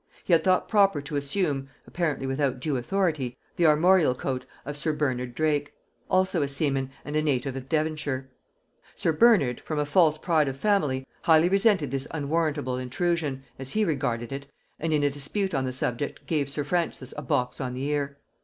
He had thought proper to assume, apparently without due authority, the armorial coat of sir Bernard Drake, also a seaman and a native of Devonshire: sir Bernard, from a false pride of family, highly resented this unwarrantable intrusion, as he regarded it, and in a dispute on the subject gave sir Francis a box on the ear.